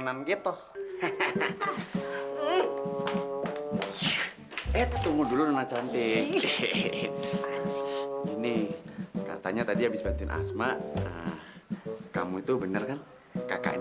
sampai jumpa di video selanjutnya